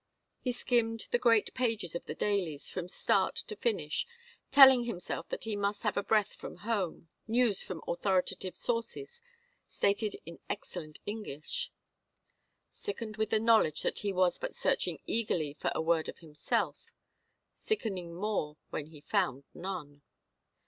He skimmed the great pages of the dailies from start to finish, telling himself that he must have a breath from home, news from authoritative sources, stated in excellent English; sickened with the knowledge that he was but searching eagerly for a word of himself; sickening more when he found none.